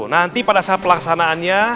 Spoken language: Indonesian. nanti pada saat pelaksanaannya